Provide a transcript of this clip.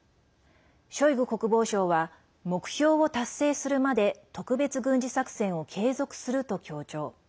ショイグ国防相は目標を達成するまで特別軍事作戦を継続すると強調。